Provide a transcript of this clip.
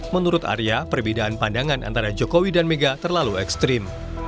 menurut arya perbedaan pandangan antara jokowi dan mega terlalu ekstrim